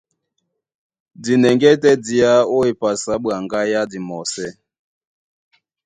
Di nɛŋgɛ́ tɛ́ diá ó epasi á ɓwaŋgá yá dimɔsɛ́.